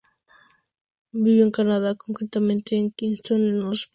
Vivió en Canadá, concretamente en Kingston por unos pocos años.